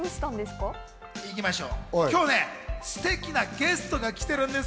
今日ね、すてきなゲストが来てるんです。